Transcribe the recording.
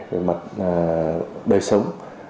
về mặt đời sống